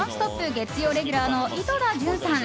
月曜レギュラーの井戸田潤さん。